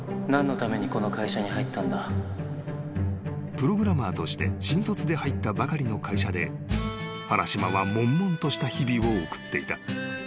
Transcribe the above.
［プログラマーとして新卒で入ったばかりの会社で原島はもんもんとした日々を送っていた］